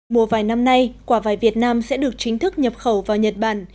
mùa vài năm nay quả vải việt nam sẽ được chính thức nhập khẩu vào nhật bản